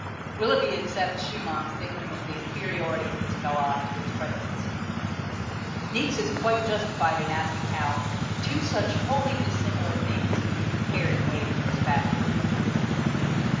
Willeby accepts Schumann's dictum of the inferiority of this Ballade to its predecessor. Niecks does not. Niecks is quite justified in asking how "two such wholly dissimilar things can be compared and weighed in this fashion."